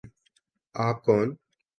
آپ کون